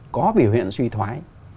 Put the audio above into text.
có biểu hiện suy thoái